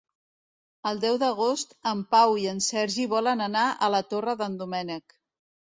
El deu d'agost en Pau i en Sergi volen anar a la Torre d'en Doménec.